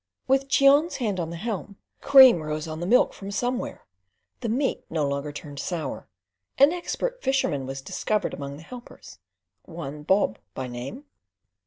With Cheon's hand on the helm, cream rose on the milk from somewhere. The meat no longer turned sour. An expert fisherman was discovered among the helpers—one Bob by name.